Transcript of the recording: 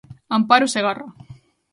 Amparo Segarra.